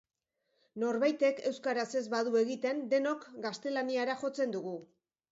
Norbaitek euskaraz ez badu egiten denok gaztelaniara jotzen dugu.